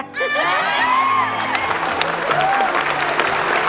ชอบไหมคะ